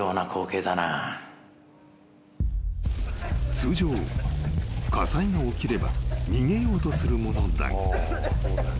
［通常火災が起きれば逃げようとするものだが］